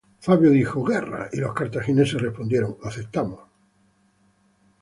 Fabio dijo "guerra", y los cartagineses respondieron "aceptamos".